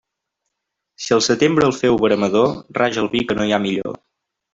Si el setembre el féu veremador, raja el vi, que no hi ha millor.